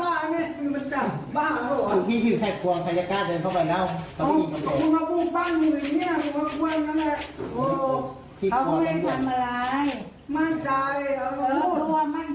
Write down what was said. ต้องรู้ว่ามั่นใจรู้ว่าเป็นประกันมึงเอาไขควงวางไว้